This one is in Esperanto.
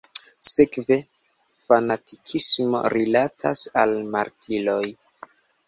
Sekve, fanatikismo rilatas al martiroj.